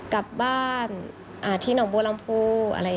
กับบ้านที่น้องบัวร้ำพู่